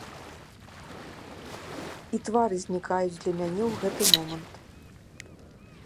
І твары знікаюць для мяне ў гэты момант.